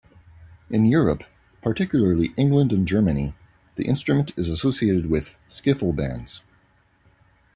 In Europe, particularly England and Germany, the instrument is associated with skiffle bands.